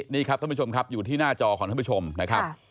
นี่ครับท่านผู้ชมครับอยู่ที่หน้าจอของท่านผู้ชมนะครับ